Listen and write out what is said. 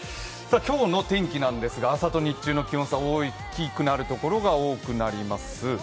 今日の天気なんですが、朝と日中の気温差、大きくなるところが多くなります。